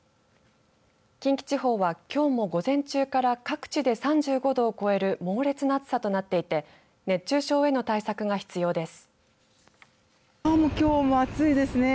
近畿地方はきょうも午前中から各地で３５度を超える猛烈な暑さとなっていて熱中症への対策が必要です。